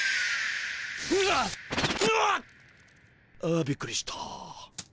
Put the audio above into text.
あびっくりした。